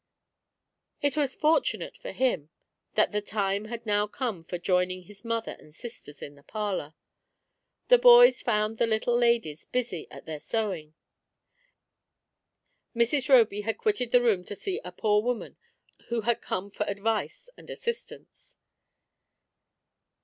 It was fortunate for him that the time had now come for joining his mother and sisters in the parlour. The boys found the little ladies busy at their sewing ; Mrs. Roby had quitted the room to see a poor woman who had come for advice and assistance.